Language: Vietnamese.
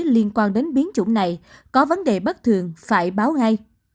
liên quan đến biến chủng này có vấn đề bất thường phải báo ngay